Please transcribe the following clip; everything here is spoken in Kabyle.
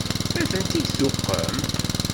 Ad tent-id-tuqem?